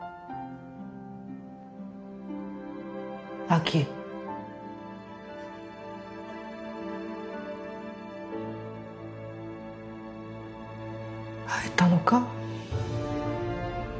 亜希会えたのか？